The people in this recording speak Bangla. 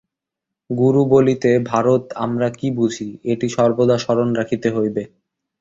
গুরু বলিতে ভারতে আমরা কি বুঝি, এটি সর্বদা স্মরণ রাখিতে হইবে।